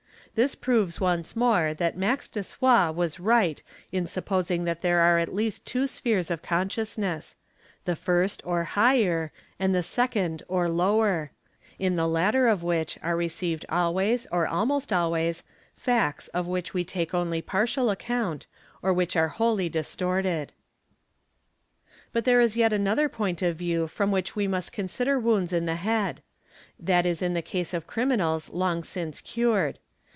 'This proves once more that Maz Dessoir ® was right in supposing that there are at least two spheres of consciousness ;—the first or highe | and the second or lower ; in the latter of which are received always o alinost always facts of which we take only partial account or which ai | wholly distorted 6 8, ee But there is yet another point of view from which we must con= sider wounds in the head; that is in the case of criminals long since cured.